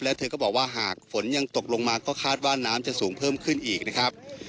แล้วเธอก็บอกว่าหากฝนยังตกลงมาก็คาดว่าน้ำจะสูงเพิ่มขึ้นอีกนะครับ